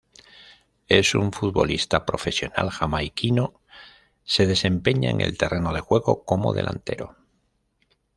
Es un futbolista profesional jamaiquino, Se desempeña en el terreno de juego como delantero.